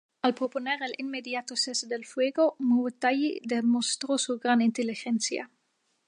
Al proponer el inmediato cese del fuego, Muwatalli demostró su gran inteligencia.